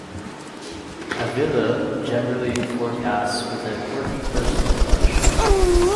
Avila generally forecasts with a quirky personal touch.